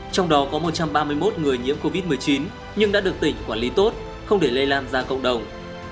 trong đó có một trăm ba mươi một người nhiễm covid một mươi chín nhưng đã được tỉnh quản lý tốt không để lây lan ra cộng đồng